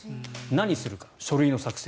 何をするか、書類の作成